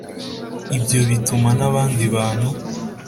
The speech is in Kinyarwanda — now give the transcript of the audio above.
Ibyo bituma n abandi bantu